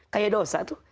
kayak dosa tuh